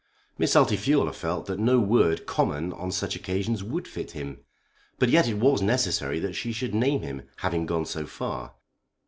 Miss Altifiorla felt that no word common on such occasions would fit him. But yet it was necessary that she should name him, having gone so far.